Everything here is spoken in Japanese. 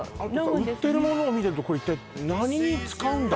売ってる物を見るとこれ一体何に使うんだ？